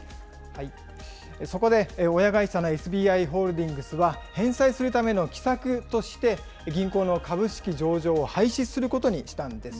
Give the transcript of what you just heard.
そこで親会社のＳＢＩホールディングスは、返済するための奇策として、銀行の株式上場を廃止することにしたんです。